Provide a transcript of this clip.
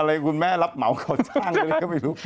อะไรคุณแม่รับเหมาของช่างเลยก็ไม่รู้